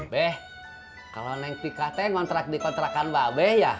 bang kalau neng tika ngontrak dikontrakan mbak beh ya